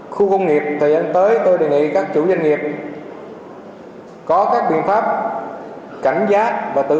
khu công nghiệp thời gian tới tôi đề nghị các chủ doanh nghiệp có các biện pháp cảnh giác và tự